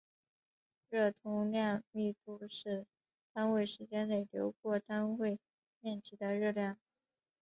热通量密度是单位时间内流过单位面积的热量。